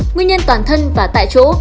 nguyên nhân toàn thân và tại chỗ